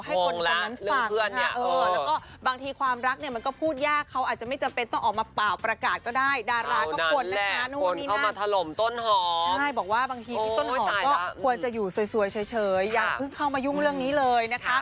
ให้คนคนนั้นฟังนะคะเออแล้วก็มองละเรื่องเพื่อนเนี่ย